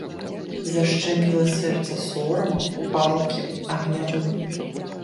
Зашчаміла сэрца сорамам, палкім, агнявым.